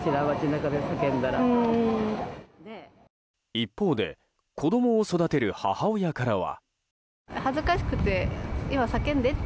一方で子供を育てる母親からは。